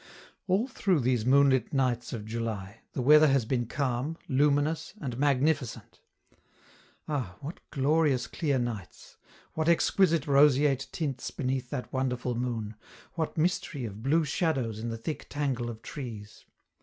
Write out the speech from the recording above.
All through these moonlit nights of July, the weather has been calm, luminous, and magnificent. Ah, what glorious clear nights! What exquisite roseate tints beneath that wonderful moon, what mystery of blue shadows in the thick tangle of trees!